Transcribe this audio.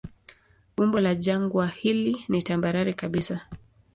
Umbo la jangwa hili ni tambarare kabisa.